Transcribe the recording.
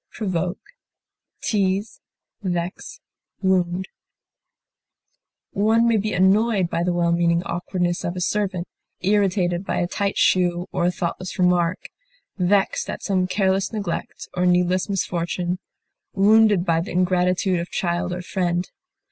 displease, irritate, tease, One may be annoyed by the well meaning awkwardness of a servant, irritated by a tight shoe or a thoughtless remark, vexed at some careless neglect or needless misfortune, wounded by the ingratitude of child or friend.